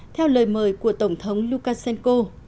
theo lời mời của tổng thống lukashenko